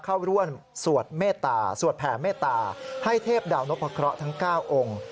เข้าร่วมสวดแผลเมตตาให้เทพดาวนพครทั้ง๙องค์